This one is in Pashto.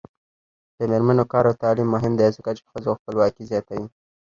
د میرمنو کار او تعلیم مهم دی ځکه چې ښځو خپلواکي زیاتوي.